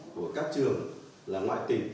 của các trường là ngoại tỉnh